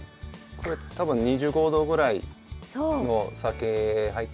これ多分２５度ぐらいの酒入ってるんですけど。